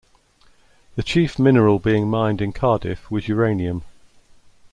The chief mineral being mined in Cardiff was uranium.